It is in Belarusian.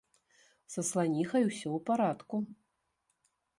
Са сланіхай усё ў парадку.